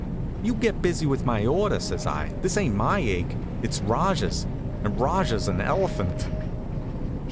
"You get busy with my order," says I. "This ain't my ache, it's Rajah's, and Rajah's an elephant."